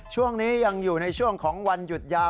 ช่วงนี้ยังอยู่ในช่วงของวันหยุดยาว